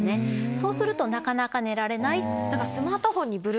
そうするとなかなか寝られない。